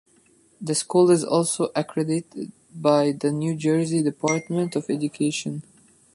The school is also accredited by the New Jersey Department of Education.